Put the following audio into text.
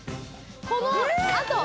このあと！